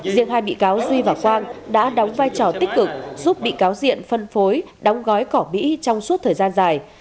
riêng hai bị cáo duy và quang đã đóng vai trò tích cực giúp bị cáo diện phân phối đóng gói cỏ mỹ trong suốt thời gian dài